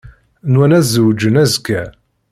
Nwan ad zewǧen azekka.